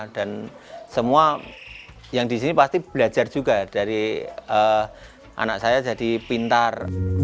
dan semua yang di sini pasti belajar juga dari anak saya jadi pintar